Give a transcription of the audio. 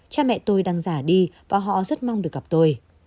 cha mẹ tôi đang giả đi và họ rất mong được gặp tôi